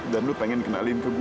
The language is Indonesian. dan lo pengen kenalin ke gue